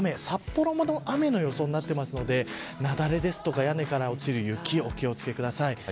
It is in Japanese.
札幌も雨の予想になっていますので雪崩や屋根から落ちる雪にお気を付けください。